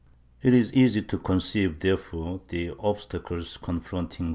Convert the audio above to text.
It is easy to conceive, therefore, the obstacles confronting Fray Chap.